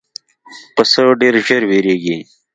پسه ډېر ژر وېرېږي.